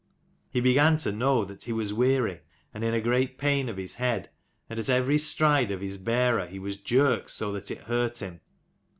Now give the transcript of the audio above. He began to know that .he was weary and in a great pain of his head ; and at every stride of his bearer he was jerked so that it hurt him.